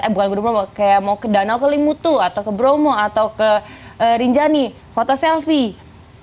bukan bromo kayak mau ke danau ke limutu atau ke bromo atau ke rinjani foto selfie